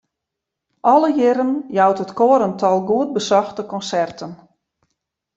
Alle jierren jout it koar in tal goed besochte konserten.